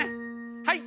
はい！